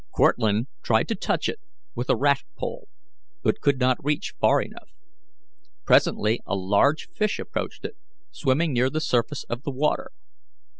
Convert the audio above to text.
Cortlandt tried to touch it with a raft pole, but could not reach far enough. Presently a large fish approached it, swimming near the surface of the water.